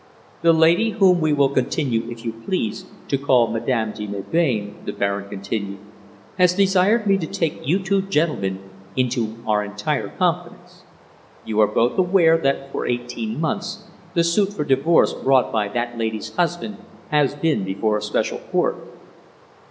"The lady whom we will continue, if you please, to call Madame de Melbain," the Baron continued, "has desired me to take you two gentlemen into our entire confidence. You are both aware that for eighteen months the suit for divorce brought by that lady's husband has been before a special court."